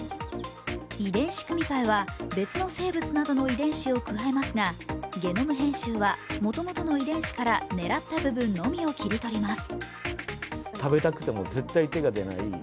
遺伝子組み換えは別の生物などの遺伝子を加えますがゲノム編集は、もともとの遺伝子から狙った部分のみを切り取ります。